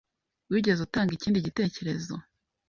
Wigeze utanga ikindi gitekerezo?